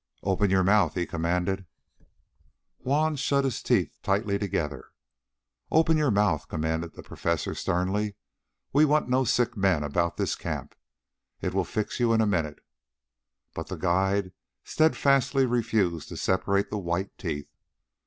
"Open your mouth," he commanded. Juan shut his teeth tightly together. "Open your mouth!" commanded the Professor sternly. "We want no sick men about this camp. It will fix you in a minute." But the guide steadfastly refused to separate the white teeth.